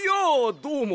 どうも！